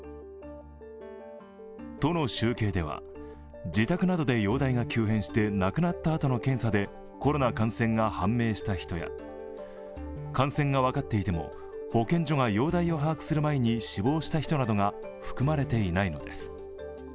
都の集計では、自宅などで容体が急変して亡くなったあとの検査でコロナ感染が判明した人や、感染が分かっていても保健所が容体を把握する前に死亡した人などが含まれていないのです。